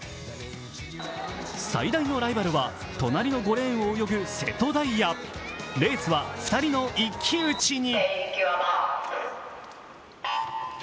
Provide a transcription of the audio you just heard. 最大のライバルは隣の５レーンを泳ぐ瀬戸大也、レースは２人の一騎打ちに。